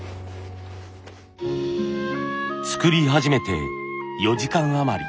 作り始めて４時間余り。